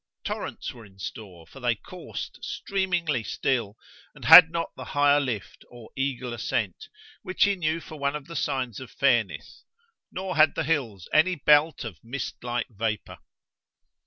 Torrents were in store, for they coursed streamingly still and had not the higher lift, or eagle ascent, which he knew for one of the signs of fairness, nor had the hills any belt of mist like vapour.